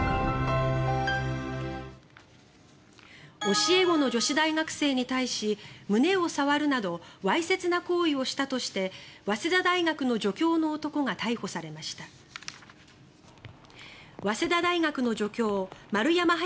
教え子の女性大学生に対し胸を触るなどわいせつな行為をしたとして早稲田大学の助教の男が逮捕されました。